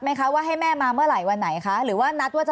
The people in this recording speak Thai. ไหมคะว่าให้แม่มาเมื่อไหร่วันไหนคะหรือว่านัดว่าจะ